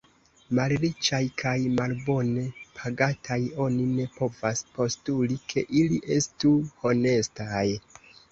Malriĉaj kaj malbone pagataj, oni ne povas postuli, ke ili estu honestaj.